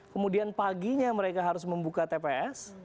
kemudian paginya mereka harus membuka tps